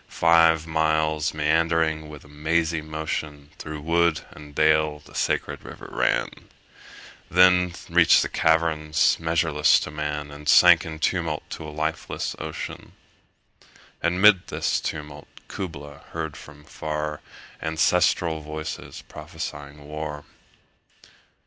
Five miles meandering with a mazy motion 25 Through wood and dale the sacred river ran, Then reach'd the caverns measureless to man, And sank in tumult to a lifeless ocean: And 'mid this tumult Kubla heard from far Ancestral voices prophesying war!